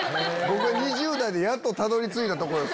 僕が２０代でやっとたどり着いたとこよ